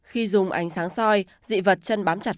khi dùng ánh sáng soi dị vật chân bám chặt